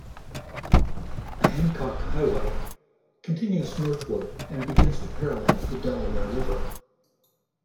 The Hancock Highway continues northward and begins to parallel the Delaware River.